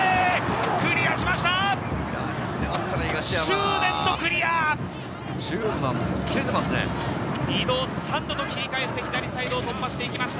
クリアしました！